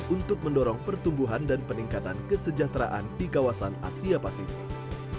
untuk mendorong pertumbuhan dan peningkatan kesejahteraan di kawasan asia pasifik